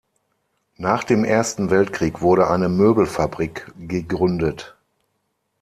Nach dem Ersten Weltkrieg wurde eine Möbelfabrik gegründet.